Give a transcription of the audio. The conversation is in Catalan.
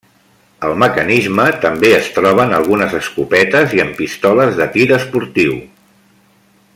El mecanisme també es troba en algunes escopetes i en pistoles de tir esportiu.